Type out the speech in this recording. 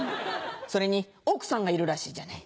それに奥さんがいるらしいじゃない。